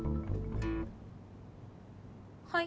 はい。